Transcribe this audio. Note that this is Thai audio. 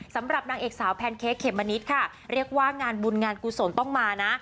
สำหรับนางเอกสาวแพนเค้กเขมมะนิดค่ะเรียกว่างานบุญงานกุศลต้องมานะ